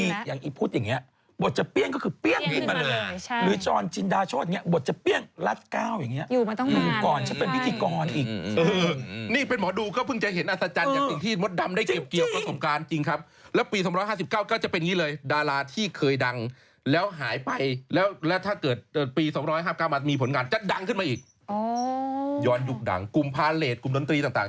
ทำไมนี่แบบเดินสายเดินสายผมเป้ยเปล่าจากปี๒๐๐๒ครับก่ำก็มีผลหน่าจะดังขึ้นมาอีกอๅอกุมภาเรศกุมดนตรีต่าง